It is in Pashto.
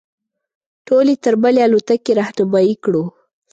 ټول یې تر بلې الوتکې رهنمایي کړو.